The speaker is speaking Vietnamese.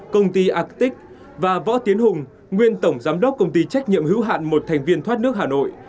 công ty agtic và võ tiến hùng nguyên tổng giám đốc công ty trách nhiệm hữu hạn một thành viên thoát nước hà nội